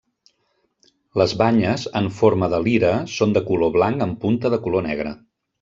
Les banyes, en forma de lira, són de color blanc amb punta de color negre.